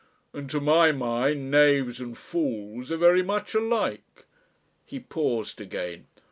And to my mind knaves and fools are very much alike." He paused again.